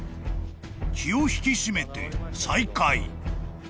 ［気を引き締めて再開］